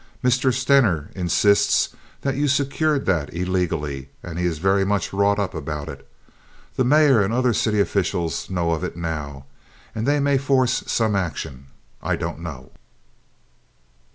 Mr. Stener insists that you secured that illegally, and he is very much wrought up about it. The mayor and the other city officials know of it now, and they may force some action. I don't know."